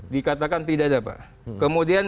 dikatakan tidak ada pak kemudian